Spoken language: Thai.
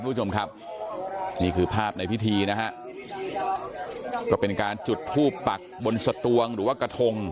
คุณผู้ชมครับนี่คือภาพในพิธีนะฮะก็เป็นการจุดทูปปักบนสตวงหรือว่ากระทง